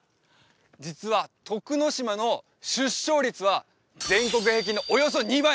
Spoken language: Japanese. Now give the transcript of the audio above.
実は徳之島の出生率は全国平均のおよそ２倍！